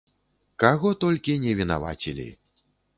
Каго толькі не вінавацілі!